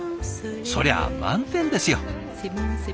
そりゃあ満点ですよ。